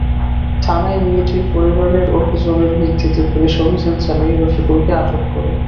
থানায় মেয়েটির পরিবারের অভিযোগের ভিত্তিতে পুলিশ অভিযান চালিয়ে রফিকুলকে আটক করে।